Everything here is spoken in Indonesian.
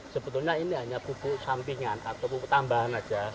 sebetulnya ini hanya popok sampingan atau popok tambahan saja